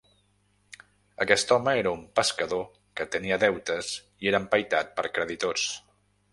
Aquest home era un pescador que tenia deutes i era empaitat per creditors.